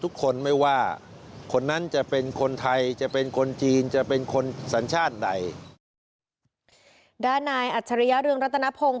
ด้านนายอัจฉริยะเรืองรัตนพงศ์